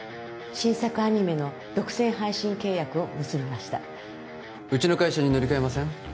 新作アニメの独占配信契約を結びましたうちの会社に乗り換えません？